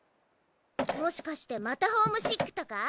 もしかしてまたホームシックとか？